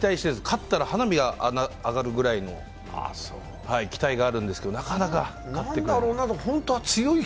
勝ったら花火が上がるぐらいの期待があるんですけど、なかなか勝ってくれない。